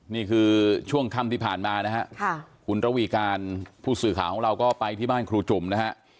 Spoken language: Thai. นี่คือช่วงค่ำที่ผ่านมานะฮะคุณระวีการผู้สื่อข่าวของเราก็ไปที่บ้านครูจุ่มนะฮะ